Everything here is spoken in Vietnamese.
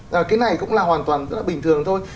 cái này cũng là hoàn toàn bình thường thôi